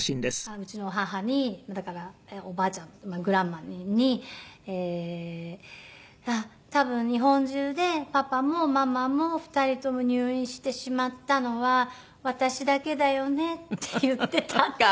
うちの母にだからおばあちゃんグランマに「多分日本中でパパもママも２人とも入院してしまったのは私だけだよね」って言ってたって。